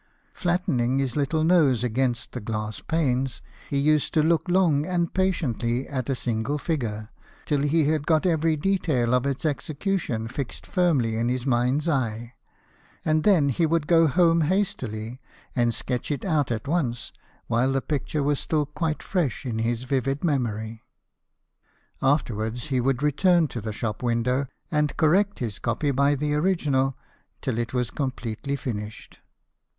Flattening his little nose against the glass panes, he used to look long and patiently at a single figure, till he had got every detail of its execution fixed firmly on his mind's eye ; and then he would go home hastily and sketch it out at once while the picture was still quite fresh in his vivid memory. Afterwards he would return to the shop window, and correct his copy by the original till it was completely finished.